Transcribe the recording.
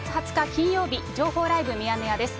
金曜日、情報ライブミヤネ屋です。